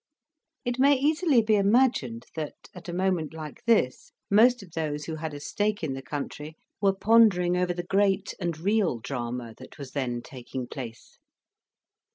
It may easily be imagined that, at a moment like this, most of those who had a stake in the country were pondering over the great and real drama that was then taking place.